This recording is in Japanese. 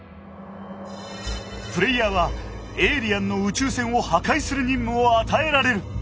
プレイヤーはエイリアンの宇宙船を破壊する任務を与えられる。